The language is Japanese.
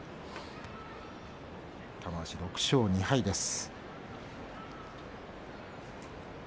玉鷲は６勝２敗です。